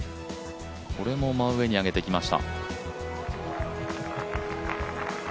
これも真上に上げてきました。